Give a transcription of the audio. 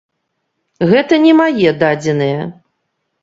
Гэта не мае дадзеныя.